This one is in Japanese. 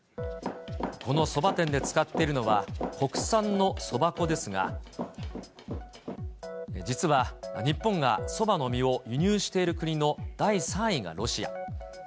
このそば店で使っているのは、国産のそば粉ですが、実は日本がそばの実を輸入している国の第３位がロシア。